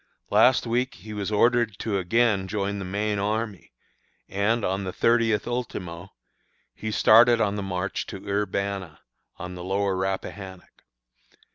Last week he was ordered to again join the main army, and, on the thirtieth ultimo, he started on the march to Urbanna, on the Lower Rappahannock.